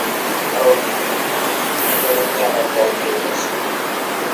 কারণ, আমি ইতোমধ্যে আমার দল পেয় গেছি।